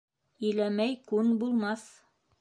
Иләмәй күн булмаҫ